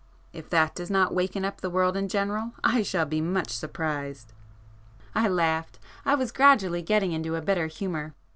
If that does not waken up the world in general, I shall be much surprised!" I laughed,—I was gradually getting into a better humour.